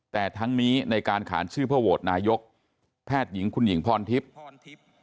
แต่ทั้งนี้ในการขานชื่อเพื่อโหวตนายกแพทย์หญิงคุณหญิงพรทิพย์